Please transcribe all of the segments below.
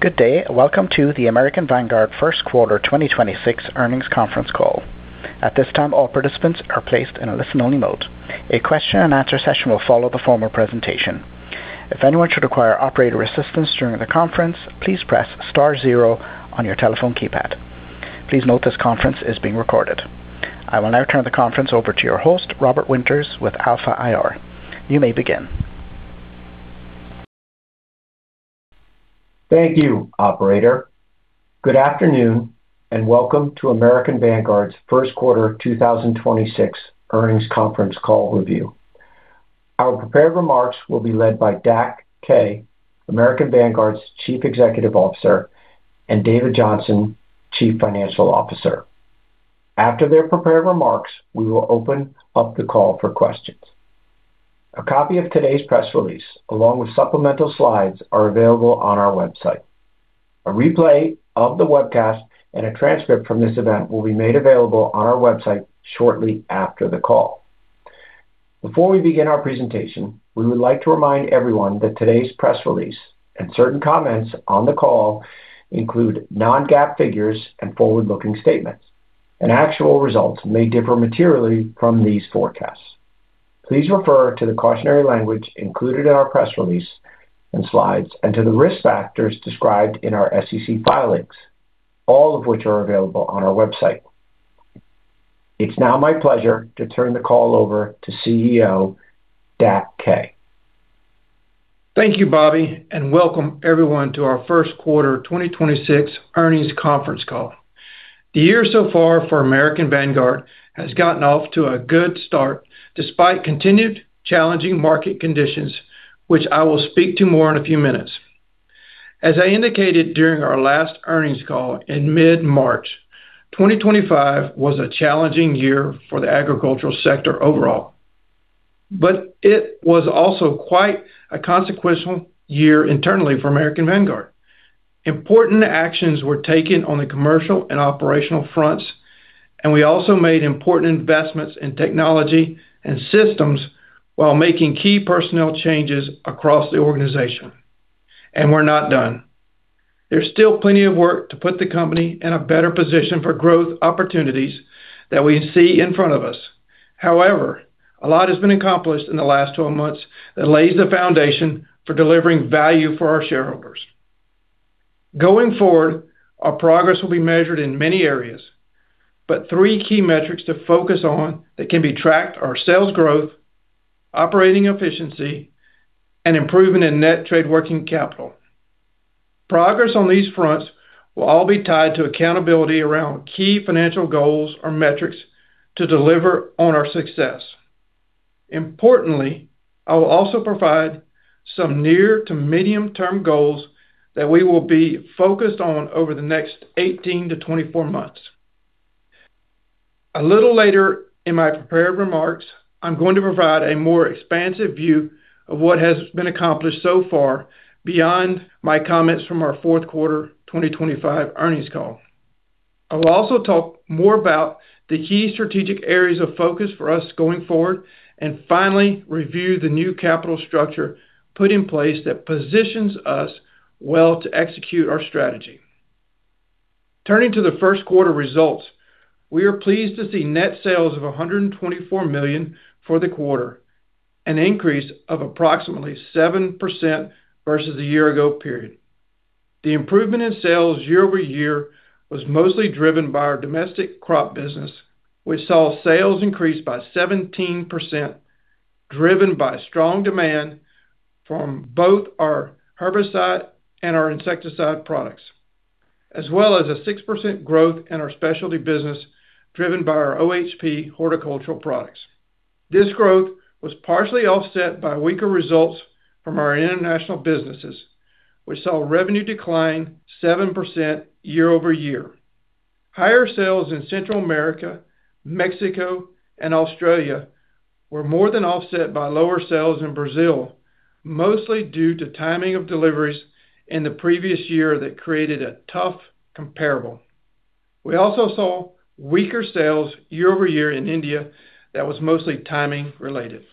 Good day. Welcome to the American Vanguard first quarter 2026 earnings conference call. At this time, all participants are placed in a listen-only mode. A question and answer session will follow the formal presentation. If anyone should require operator assistance during the conference, please press star zero on your telephone keypad. Please note this conference is being recorded. I will now turn the conference over to your host, Robert Winters with Alpha IR. You may begin. Thank you, operator. Good afternoon, and welcome to American Vanguard's 1st quarter 2026 earnings conference call review. Our prepared remarks will be led by Dak Kaye, American Vanguard's Chief Executive Officer, and David Johnson, Chief Financial Officer. After their prepared remarks, we will open up the call for questions. A copy of today's press release, along with supplemental slides, are available on our website. A replay of the webcast and a transcript from this event will be made available on our website shortly after the call. Before we begin our presentation, we would like to remind everyone that today's press release and certain comments on the call include non-GAAP figures and forward-looking statements, and actual results may differ materially from these forecasts. Please refer to the cautionary language included in our press release and slides and to the risk factors described in our SEC filings, all of which are available on our website. It's now my pleasure to turn the call over to CEO Dak Kaye. Thank you, Robert, and welcome everyone to our first quarter 2026 earnings conference call. The year so far for American Vanguard has gotten off to a good start despite continued challenging market conditions, which I will speak to more in a few minutes. As I indicated during our last earnings call in mid-March, 2025 was a challenging year for the agricultural sector overall, but it was also quite a consequential year internally for American Vanguard. Important actions were taken on the commercial and operational fronts, we also made important investments in technology and systems while making key personnel changes across the organization, and we're not done. There's still plenty of work to put the company in a better position for growth opportunities that we see in front of us. However, a lot has been accomplished in the last 12 months that lays the foundation for delivering value for our shareholders. Going forward, our progress will be measured in many areas, but three key metrics to focus on that can be tracked are sales growth, operating efficiency, and improvement in net trade working capital. Progress on these fronts will all be tied to accountability around key financial goals or metrics to deliver on our success. Importantly, I will also provide some near to medium-term goals that we will be focused on over the next 18-24 months. A little later in my prepared remarks, I'm going to provide a more expansive view of what has been accomplished so far beyond my comments from our fourth quarter 2025 earnings call. I will also talk more about the key strategic areas of focus for us going forward and finally review the new capital structure put in place that positions us well to execute our strategy. Turning to the first quarter results, we are pleased to see net sales of $124 million for the quarter, an increase of approximately 7% versus the year ago period. The improvement in sales year-over-year was mostly driven by our domestic crop business, which saw sales increase by 17%, driven by strong demand from both our herbicide and our insecticide products, as well as a 6% growth in our specialty business driven by our OHP horticultural products. This growth was partially offset by weaker results from our international businesses, which saw revenue decline 7% year-over-year. Higher sales in Central America, Mexico, and Australia were more than offset by lower sales in Brazil, mostly due to timing of deliveries in the previous year that created a tough comparable. We also saw weaker sales year-over-year in India that was mostly timing related.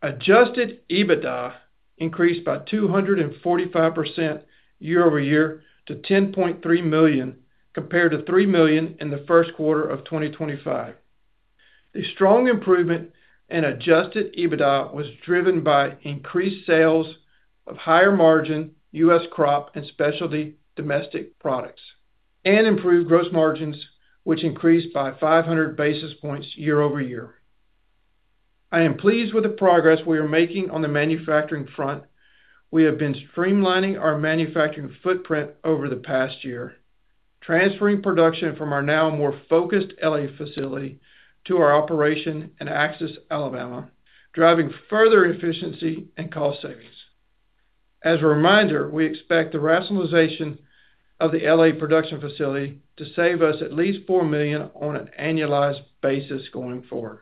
Adjusted EBITDA increased by 245% year-over-year to $10.3 million compared to $3 million in the first quarter of 2025. The strong improvement in adjusted EBITDA was driven by increased sales of higher margin U.S. crop and specialty domestic products and improved gross margins, which increased by 500 basis points year-over-year. I am pleased with the progress we are making on the manufacturing front. We have been streamlining our manufacturing footprint over the past year, transferring production from our now more focused L.A. facility to our operation in Axis, Alabama, driving further efficiency and cost savings. As a reminder, we expect the rationalization of the L.A. production facility to save us at least $4 million on an annualized basis going forward.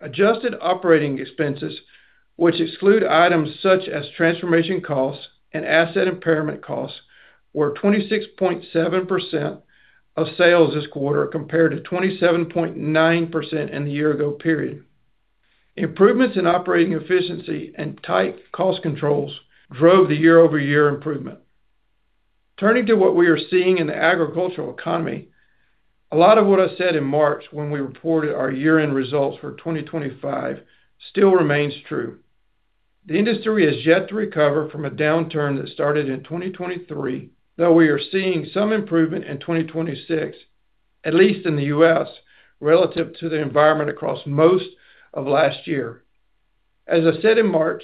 Adjusted operating expenses, which exclude items such as transformation costs and asset impairment costs, were 26.7% of sales this quarter compared to 27.9% in the year ago period. Improvements in operating efficiency and tight cost controls drove the year-over-year improvement. Turning to what we are seeing in the agricultural economy, a lot of what I said in March when we reported our year-end results for 2025 still remains true. The industry is yet to recover from a downturn that started in 2023, though we are seeing some improvement in 2026, at least in the U.S., relative to the environment across most of last year. As I said in March,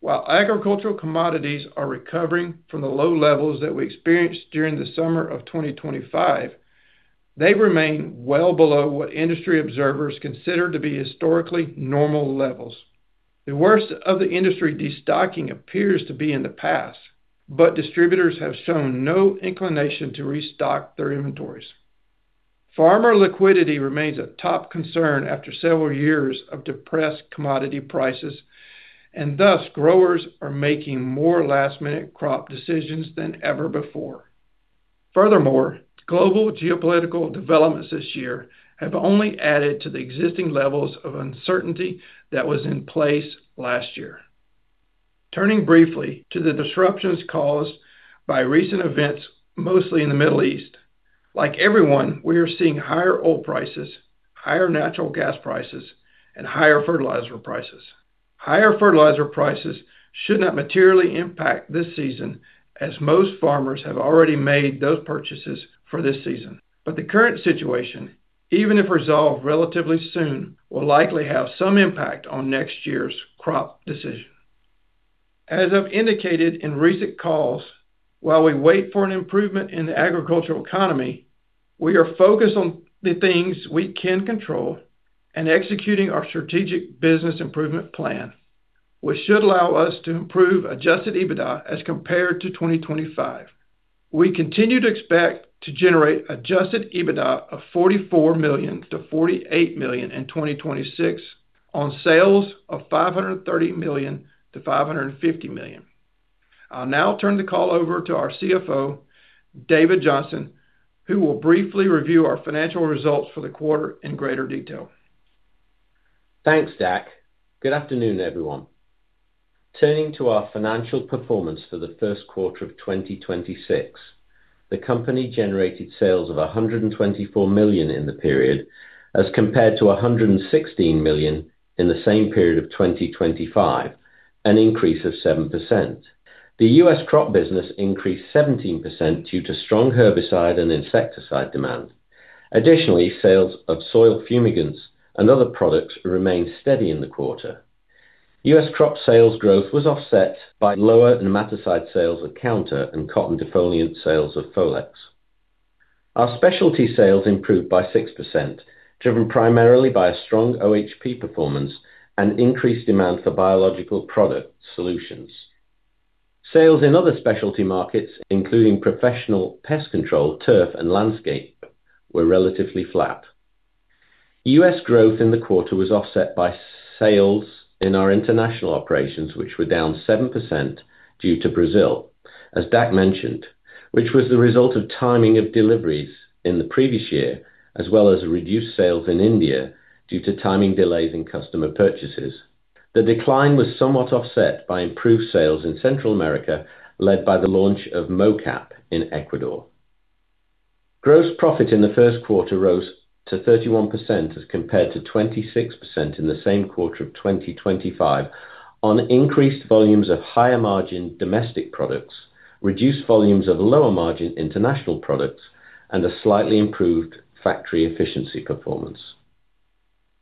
while agricultural commodities are recovering from the low levels that we experienced during the summer of 2025, they remain well below what industry observers consider to be historically normal levels. The worst of the industry destocking appears to be in the past, but distributors have shown no inclination to restock their inventories. Farmer liquidity remains a top concern after several years of depressed commodity prices, and thus growers are making more last-minute crop decisions than ever before. Furthermore, global geopolitical developments this year have only added to the existing levels of uncertainty that was in place last year. Turning briefly to the disruptions caused by recent events, mostly in the Middle East, like everyone, we are seeing higher oil prices, higher natural gas prices, and higher fertilizer prices. Higher fertilizer prices should not materially impact this season, as most farmers have already made those purchases for this season. The current situation, even if resolved relatively soon, will likely have some impact on next year's crop decision. As I've indicated in recent calls, while we wait for an improvement in the agricultural economy, we are focused on the things we can control and executing our strategic business improvement plan, which should allow us to improve adjusted EBITDA as compared to 2025. We continue to expect to generate adjusted EBITDA of $44 million-$48 million in 2026 on sales of $530 million-$550 million. I'll now turn the call over to our CFO, David Johnson, who will briefly review our financial results for the quarter in greater detail. Thanks, Dak. Good afternoon, everyone. Turning to our financial performance for the first quarter of 2026, the company generated sales of $124 million in the period as compared to $116 million in the same period of 2025, an increase of 7%. The U.S. crop business increased 17% due to strong herbicide and insecticide demand. Additionally, sales of soil fumigants and other products remained steady in the quarter. U.S. crop sales growth was offset by lower nematicide sales of COUNTER and cotton defoliant sales of FOLEX. Our specialty sales improved by 6%, driven primarily by a strong OHP performance and increased demand for biological product solutions. Sales in other specialty markets, including professional pest control, turf, and landscape, were relatively flat. U.S. growth in the quarter was offset by sales in our international operations, which were down 7% due to Brazil, as Dak mentioned, which was the result of timing of deliveries in the previous year, as well as reduced sales in India due to timing delays in customer purchases. The decline was somewhat offset by improved sales in Central America, led by the launch of MOCAP in Ecuador. Gross profit in the first quarter rose to 31% as compared to 26% in the same quarter of 2025 on increased volumes of higher-margin domestic products, reduced volumes of lower-margin international products, and a slightly improved factory efficiency performance.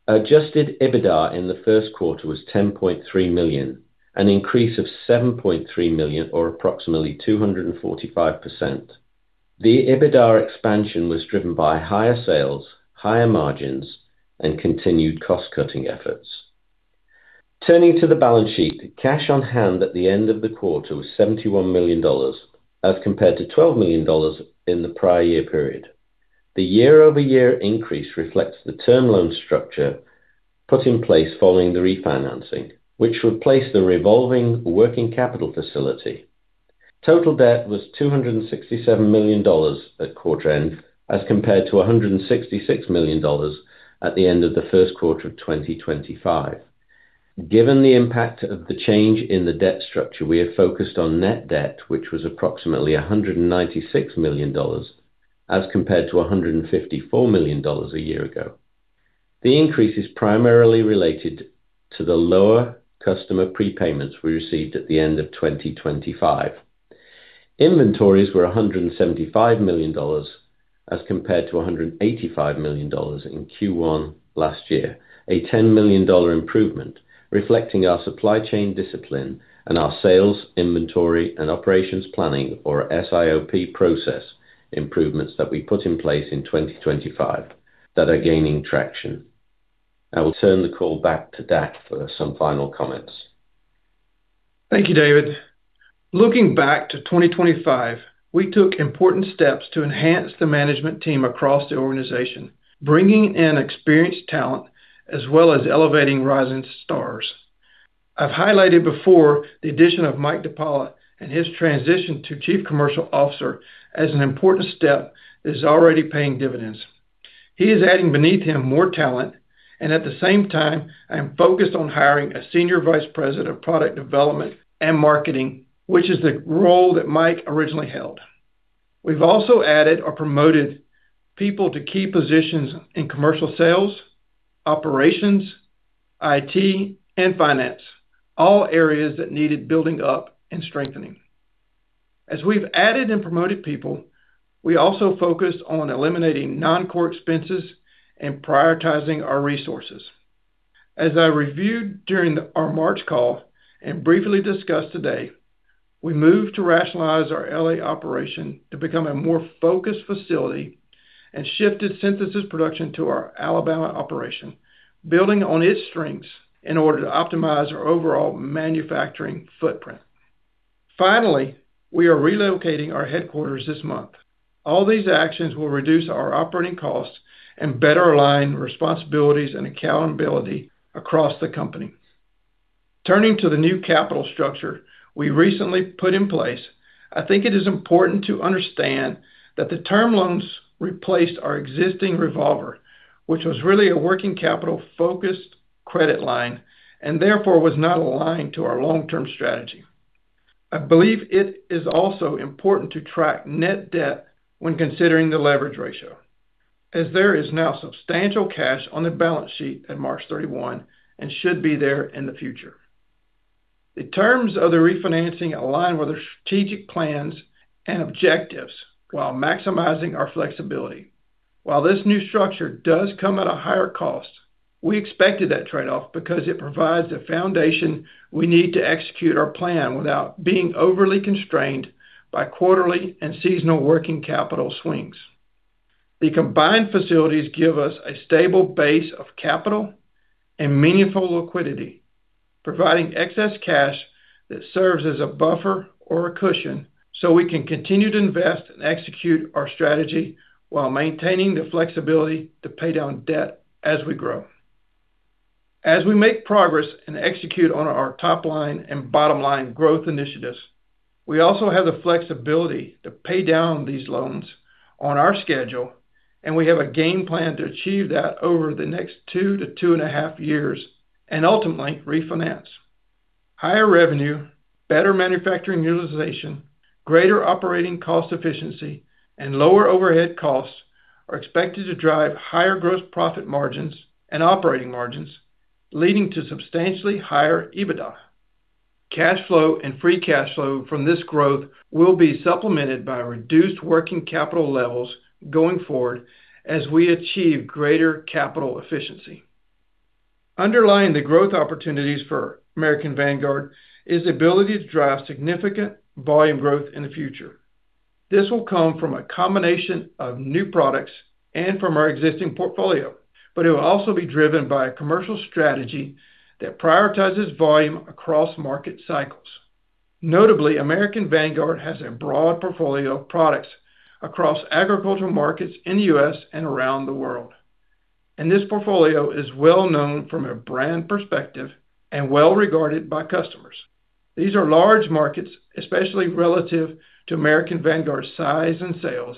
Adjusted EBITDA in the first quarter was $10.3 million, an increase of $7.3 million or approximately 245%. The EBITDA expansion was driven by higher sales, higher margins, and continued cost-cutting efforts. Turning to the balance sheet, cash on hand at the end of the quarter was $71 million as compared to $12 million in the prior year period. The year-over-year increase reflects the term loan structure put in place following the refinancing, which replaced the revolving working capital facility. Total Debt was $267 million at quarter end as compared to $166 million at the end of the first quarter of 2025. Given the impact of the change in the debt structure, we have focused on net debt, which was approximately $196 million as compared to $154 million a year ago. The increase is primarily related to the lower customer prepayments we received at the end of 2025. Inventories were $175 million as compared to $185 million in Q1 last year. A $10 million improvement reflecting our supply chain discipline and our sales, inventory, and operations planning or SIOP process improvements that we put in place in 2025 that are gaining traction. I will turn the call back to Dak for some final comments. Thank you, David. Looking back to 2025, we took important steps to enhance the management team across the organization, bringing in experienced talent as well as elevating rising stars. I've highlighted before the addition of Mike DiPaola and his transition to Chief Commercial Officer as an important step that is already paying dividends. He is adding beneath him more talent, and at the same time, I am focused on hiring a Senior Vice President of Product Development and Marketing, which is the role that Mike originally held. We've also added or promoted people to key positions in commercial sales, operations, IT, and finance, all areas that needed building up and strengthening. As we've added and promoted people, we also focused on eliminating non-core expenses and prioritizing our resources. As I reviewed during our March call and briefly discussed today, we moved to rationalize our L.A. operation to become a more focused facility and shifted synthesis production to our Alabama operation, building on its strengths in order to optimize our overall manufacturing footprint. We are relocating our headquarters this month. All these actions will reduce our operating costs and better align responsibilities and accountability across the company. Turning to the new capital structure we recently put in place, I think it is important to understand that the term loans replaced our existing revolver, which was really a working capital-focused credit line and therefore was not aligned to our long-term strategy. I believe it is also important to track net debt when considering the leverage ratio, as there is now substantial cash on the balance sheet at March 31 and should be there in the future. The terms of the refinancing align with our strategic plans and objectives while maximizing our flexibility. While this new structure does come at a higher cost, we expected that trade-off because it provides the foundation we need to execute our plan without being overly constrained by quarterly and seasonal working capital swings. The combined facilities give us a stable base of capital and meaningful liquidity, providing excess cash that serves as a buffer or a cushion so we can continue to invest and execute our strategy while maintaining the flexibility to pay down debt as we grow. As we make progress and execute on our top line and bottom line growth initiatives, we also have the flexibility to pay down these loans on our schedule, and we have a game plan to achieve that over the next two to two and a half years and ultimately refinance. Higher revenue, better manufacturing utilization, greater operating cost efficiency, and lower overhead costs are expected to drive higher gross profit margins and operating margins, leading to substantially higher EBITDA. Cash flow and free cash flow from this growth will be supplemented by reduced working capital levels going forward as we achieve greater capital efficiency. Underlying the growth opportunities for American Vanguard is the ability to drive significant volume growth in the future. This will come from a combination of new products and from our existing portfolio, but it will also be driven by a commercial strategy that prioritizes volume across market cycles. Notably, American Vanguard has a broad portfolio of products across agricultural markets in the U.S. and around the world. This portfolio is well known from a brand perspective and well-regarded by customers. These are large markets, especially relative to American Vanguard's size and sales,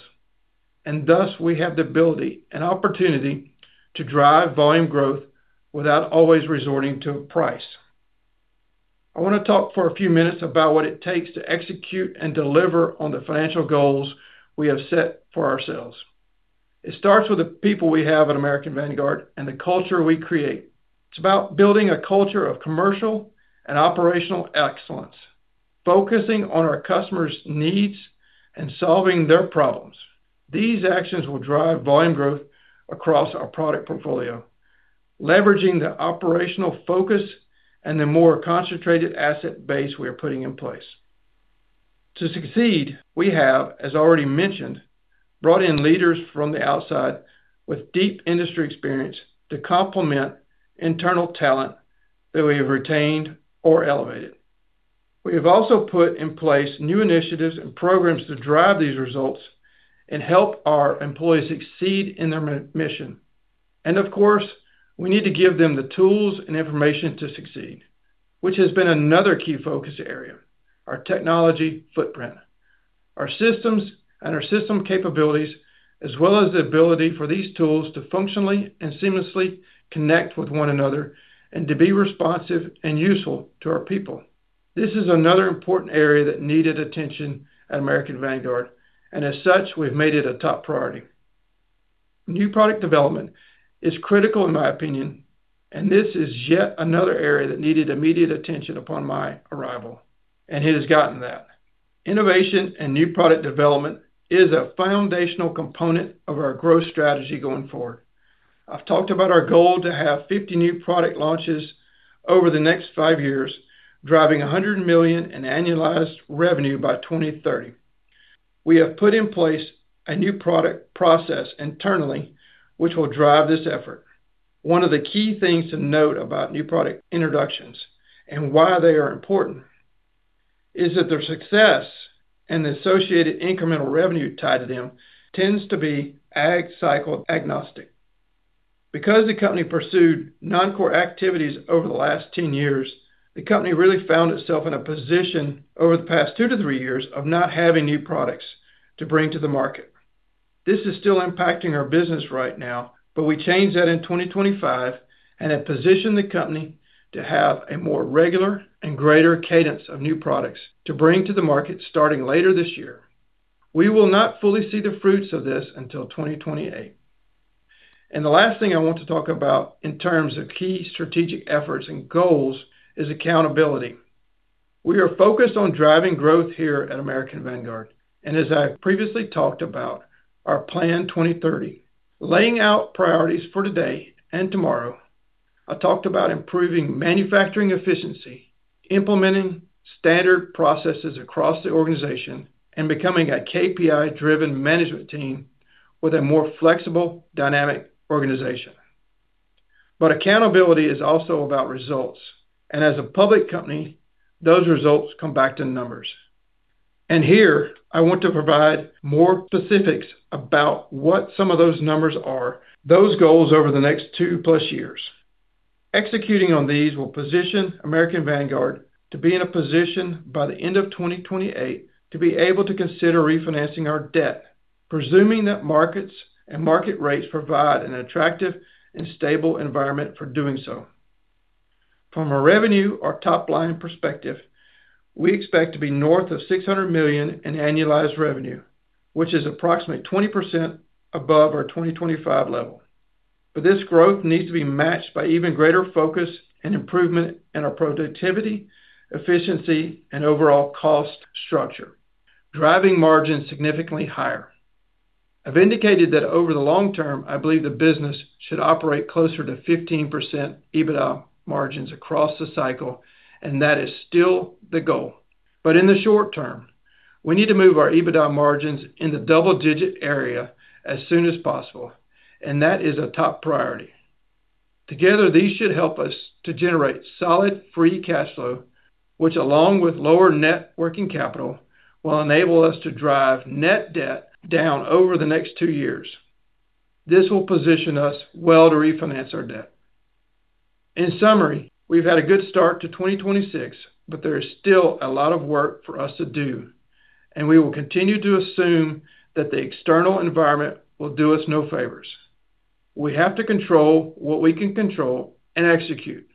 thus we have the ability and opportunity to drive volume growth without always resorting to price. I want to talk for a few minutes about what it takes to execute and deliver on the financial goals we have set for ourselves. It starts with the people we have at American Vanguard and the culture we create. It's about building a culture of commercial and operational excellence, focusing on our customers' needs and solving their problems. These actions will drive volume growth across our product portfolio, leveraging the operational focus and the more concentrated asset base we are putting in place. To succeed, we have, as already mentioned, brought in leaders from the outside with deep industry experience to complement internal talent that we have retained or elevated. We have also put in place new initiatives and programs to drive these results and help our employees succeed in their mission. Of course, we need to give them the tools and information to succeed, which has been another key focus area, our technology footprint, our systems and our system capabilities, as well as the ability for these tools to functionally and seamlessly connect with one another and to be responsive and useful to our people. This is another important area that needed attention at American Vanguard, and as such, we've made it a top priority. New product development is critical in my opinion, and this is yet another area that needed immediate attention upon my arrival, and it has gotten that. Innovation and new product development is a foundational component of our growth strategy going forward. I've talked about our goal to have 50 new product launches over the next five years, driving $100 million in annualized revenue by 2030. We have put in place a new product process internally which will drive this effort. One of the key things to note about new product introductions and why they are important is that their success and the associated incremental revenue tied to them tends to be ag cycle agnostic. Because the company pursued non-core activities over the last 10 years, the company really found itself in a position over the past 2 to 3 years of not having new products to bring to the market. This is still impacting our business right now, We changed that in 2025 and have positioned the company to have a more regular and greater cadence of new products to bring to the market starting later this year. We will not fully see the fruits of this until 2028. The last thing I want to talk about in terms of key strategic efforts and goals is accountability. We are focused on driving growth here at American Vanguard. As I previously talked about our Plan 2030, laying out priorities for today and tomorrow, I talked about improving manufacturing efficiency, implementing standard processes across the organization, and becoming a KPI-driven management team with a more flexible, dynamic organization. Accountability is also about results, and as a public company, those results come back to numbers. Here I want to provide more specifics about what some of those numbers are, those goals over the next 2+ years. Executing on these will position American Vanguard to be in a position by the end of 2028 to be able to consider refinancing our debt, presuming that markets and market rates provide an attractive and stable environment for doing so. From a revenue or top-line perspective, we expect to be north of $600 million in annualized revenue, which is approximately 20% above our 2025 level. This growth needs to be matched by even greater focus and improvement in our productivity, efficiency, and overall cost structure, driving margins significantly higher. I've indicated that over the long term, I believe the business should operate closer to 15% EBITDA margins across the cycle, and that is still the goal. In the short term, we need to move our EBITDA margins in the double-digit area as soon as possible, and that is a top priority. Together, these should help us to generate solid free cash flow, which, along with lower net working capital, will enable us to drive net debt down over the next two years. This will position us well to refinance our debt. In summary, we've had a good start to 2026. There is still a lot of work for us to do, and we will continue to assume that the external environment will do us no favors. We have to control what we can control and execute.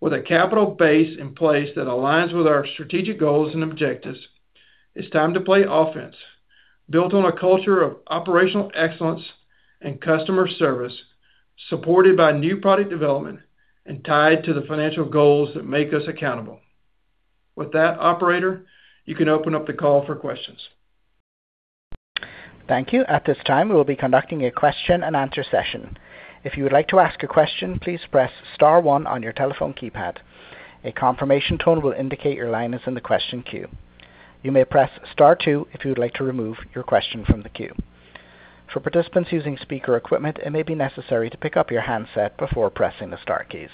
With a capital base in place that aligns with our strategic goals and objectives, it's time to play offense built on a culture of operational excellence and customer service, supported by new product development and tied to the financial goals that make us accountable. With that operator, you can open up the call for questions. Thank you. At this time, we will be conducting a question-and-answer session. If you would like to ask a question, please press star one on your telephone keypad. A confirmation tone will indicate your line is in the question queue. You may press star two if you would like to remove your question from the queue. For participants using speaker equipment, it may be necessary to pick up your handset before pressing the star keys.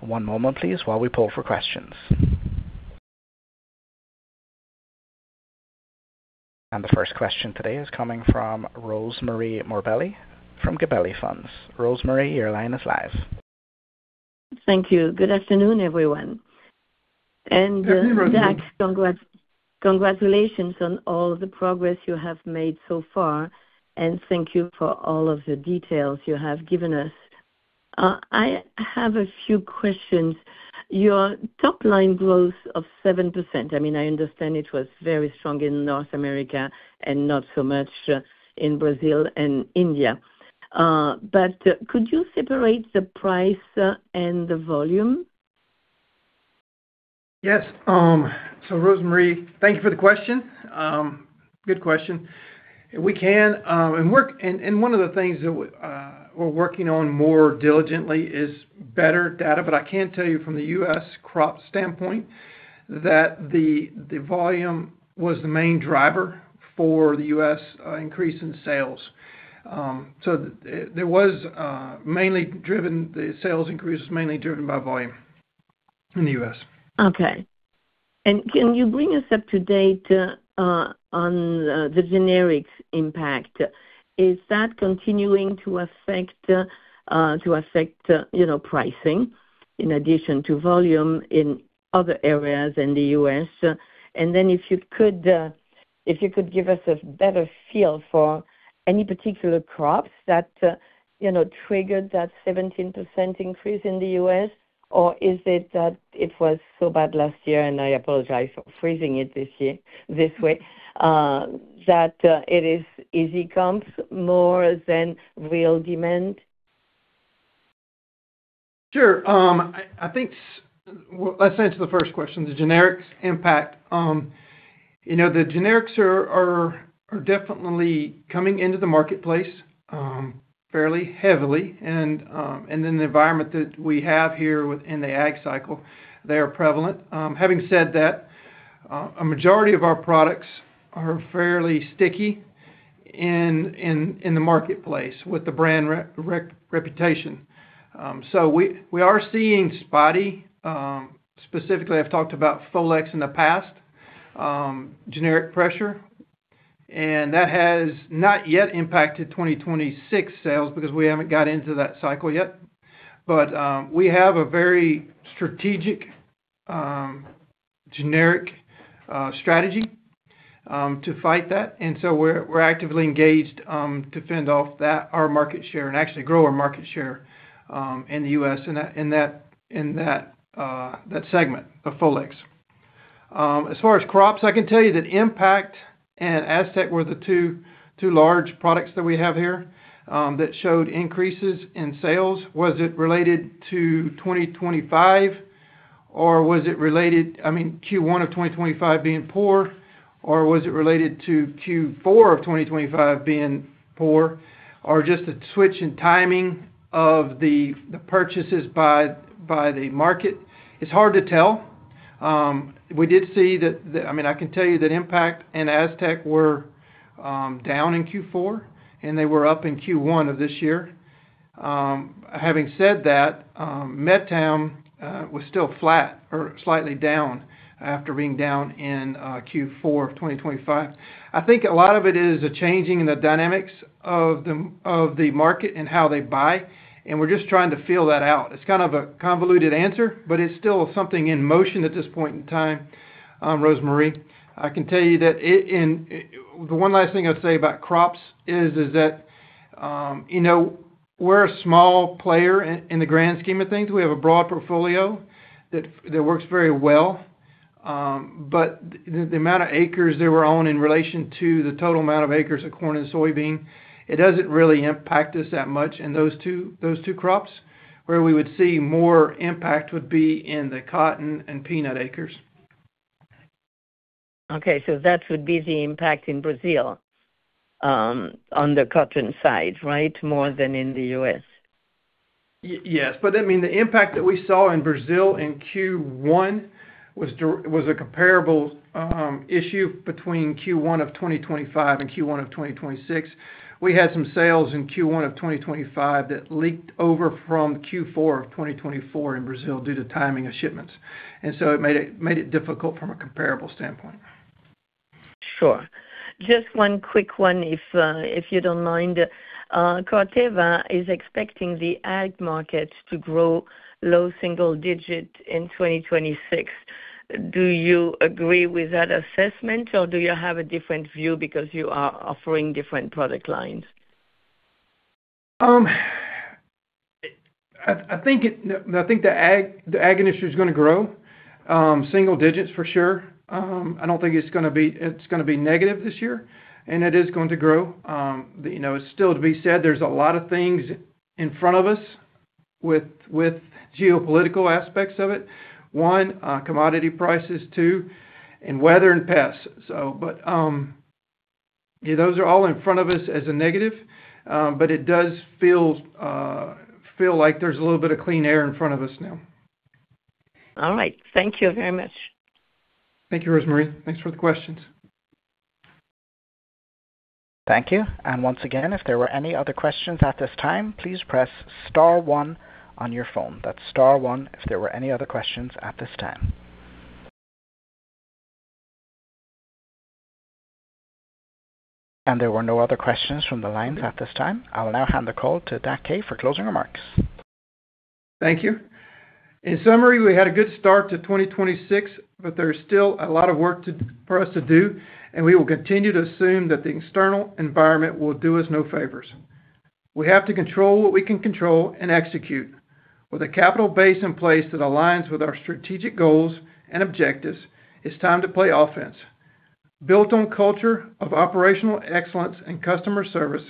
One moment please while we pull for questions. The first question today is coming from Rosemarie Morbelli from Gabelli Funds. Rosemarie, your line is live. Thank you. Good afternoon, everyone. Good afternoon, Rosemarie. Dak, congratulations on all the progress you have made so far, and thank you for all of the details you have given us. I have a few questions. Your top-line growth of 7%, I mean, I understand it was very strong in North America and not so much in Brazil and India. Could you separate the price and the volume? Rosemarie, thank you for the question. Good question. We can, and one of the things that we're working on more diligently is better data, but I can tell you from the U.S. crop standpoint that the volume was the main driver for the U.S. increase in sales. The sales increase was mainly driven by volume in the U.S. Okay. Can you bring us up to date, on, the generics impact? Is that continuing to affect, you know, pricing in addition to volume in other areas in the U.S.? If you could, if you could give us a better feel for any particular crops that, you know, triggered that 17% increase in the U.S. Is it that it was so bad last year, and I apologize for phrasing it this year, this way, that it is easy comps more than real demand? Sure. I think let's answer the first question, the generics impact. You know, the generics are definitely coming into the marketplace fairly heavily. In the environment that we have here within the ag cycle, they are prevalent. Having said that, a majority of our products are fairly sticky in the marketplace with the brand reputation. We are seeing spotty, specifically I've talked about FOLEX in the past, generic pressure. That has not yet impacted 2026 sales because we haven't got into that cycle yet. We have a very strategic generic strategy to fight that. We're actively engaged to fend off our market share and actually grow our market share in the U.S. in that segment of FOLEX. As far as crops, I can tell you that IMPACT and AZTEC were the two large products that we have here that showed increases in sales. Was it related to 2025, or was it related I mean, Q1 of 2025 being poor, or was it related to Q4 of 2025 being poor, or just a switch in timing of the purchases by the market? It's hard to tell. We did see that, I can tell you that IMPACT and AZTEC were down in Q4, and they were up in Q1 of this year. Having said that, Metam was still flat or slightly down after being down in Q4 of 2025. I think a lot of it is a changing in the dynamics of the market and how they buy. We're just trying to feel that out. It's kind of a convoluted answer, but it's still something in motion at this point in time, Rosemarie. I can tell you that the one last thing I'd say about crops is that, you know, we're a small player in the grand scheme of things. We have a broad portfolio that works very well. The amount of acres that we're on in relation to the total amount of acres of corn and soybean, it doesn't really impact us that much in those two crops. Where we would see more impact would be in the cotton and peanut acres. Okay. That would be the impact in Brazil, on the cotton side, right? More than in the U.S. Yes. I mean, the impact that we saw in Brazil in Q1 was a comparable issue between Q1 of 2025 and Q1 of 2026. We had some sales in Q1 of 2025 that leaked over from Q4 of 2024 in Brazil due to timing of shipments. It made it difficult from a comparable standpoint. Sure. Just one quick one, if you don't mind. Corteva is expecting the ag market to grow low single-digit in 2026. Do you agree with that assessment, or do you have a different view because you are offering different product lines? I think the ag industry is going to grow single digits for sure. I don't think it's going to be negative this year, it is going to grow. You know, it's still to be said, there's a lot of things in front of us with geopolitical aspects of it. One, commodity prices. Two, weather and pests. Those are all in front of us as a negative, but it does feel like there's a little bit of clean air in front of us now. All right. Thank you very much. Thank you, Rosemarie. Thanks for the questions. Thank you. And once again if there are any other questions at this time please press star one on your phone. That is star one if there is other questions at this time. And there were no other questions from the line at this time `I will now hand the call to Dak for closing remarks. Thank you. In summary, we had a good start to 2026, but there's still a lot of work for us to do, and we will continue to assume that the external environment will do us no favors. We have to control what we can control and execute. With a capital base in place that aligns with our strategic goals and objectives, it's time to play offense. Built on culture of operational excellence and customer service,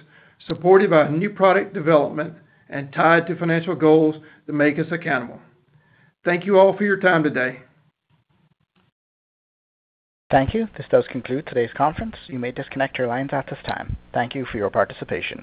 supported by new product development and tied to financial goals that make us accountable. Thank you all for your time today. Thank you. This does conclude today's conference. You may disconnect your lines at this time. Thank you for your participation.